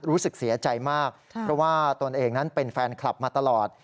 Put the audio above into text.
รู้สึกเสียใจมากเพราะว่าตนเองนั้นเป็นแฟนคลับมาตลอด